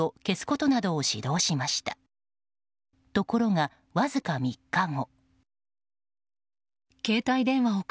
ところがわずか３日後。